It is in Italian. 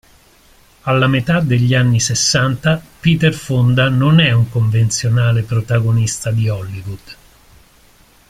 Alla metà degli anni sessanta Peter Fonda non è un convenzionale protagonista di Hollywood.